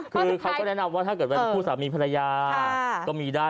คือเขาก็แนะนำว่าถ้าเกิดเป็นคู่สามีภรรยาก็มีได้